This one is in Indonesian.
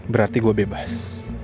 berarti gue bebas